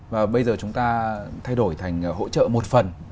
và bây giờ chúng ta thay đổi thành hỗ trợ một phần